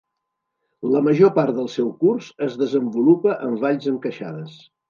La major part del seu curs es desenvolupa en valls encaixades.